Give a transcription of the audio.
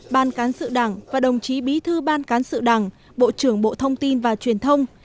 ban cán sự đảng và đồng chí bí thư ban cán sự đảng bộ trưởng bộ thông tin và truyền thông